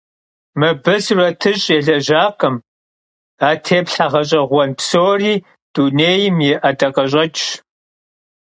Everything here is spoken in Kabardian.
Mıbı suretış' yêlejakhım; a têplhe ğeş'eğuen psori dunêym yi 'edakheş'eç'ş.